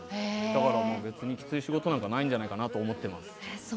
だから別にきつい仕事なんかないんじゃないかなと思ってます。